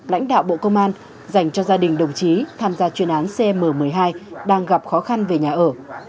lãnh đạo bộ công an dành cho gia đình đồng chí tham gia chuyên án cm một mươi hai đang gặp khó khăn về nhà ở